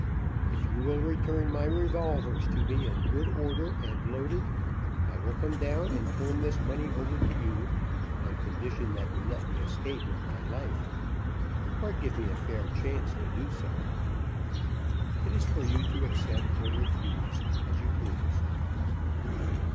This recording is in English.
"If you will return my revolvers to me, in good order and loaded, I will come down and turn this money over to you, on condition that you let me escape with my life, or give me a fair chance to do so. It is for you to accept or refuse, as you please."